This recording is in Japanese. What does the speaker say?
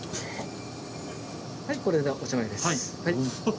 はいこれでおしまいです。